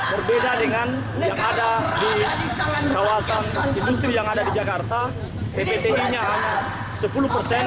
berbeda dengan yang ada di kawasan industri yang ada di jakarta ppti nya sepuluh persen